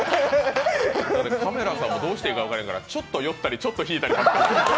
カメラさんもどうしたらいいか分からんからちょっと寄ったり、ちょっと引いたり。